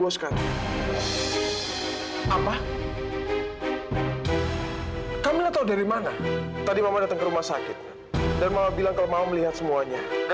sampai jumpa di video selanjutnya